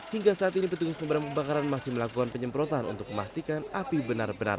hingga saat ini petugas pemadam kebakaran masih melakukan penyemprotan untuk memastikan api benar benar